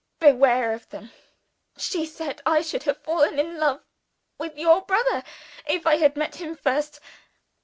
beware of them! She said I should have fallen in love with your brother, if I had met him first.